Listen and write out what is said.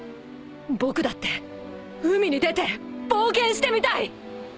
僕だって海に出て冒険してみたい！